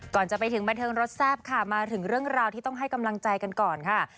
จะไปถึงบันเทิงรถแซ่บค่ะมาถึงเรื่องราวที่ต้องให้กำลังใจกันก่อนค่ะ